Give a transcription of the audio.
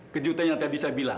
kejutan yang tadi saya bilang